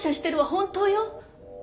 本当よ